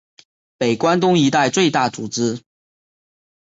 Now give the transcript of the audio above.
北关东一带最大组织。